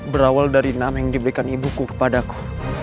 berawal dari nama yang diberikan ibuku kepadaku